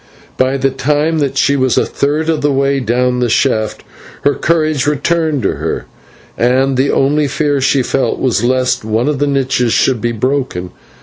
By the time that she was a third of the way down the shaft her courage returned to her, and the only fear she felt was lest some of the niches should be broken.